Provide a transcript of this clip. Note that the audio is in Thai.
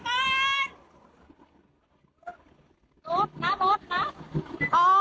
รถมารถมา